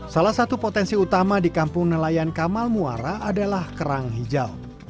salah satu potensi utama di kampung nelayan kamal muara adalah kerang hijau